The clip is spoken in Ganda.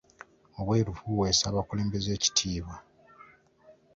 Obwerufu buweesa abakulembeze ekitiibwa.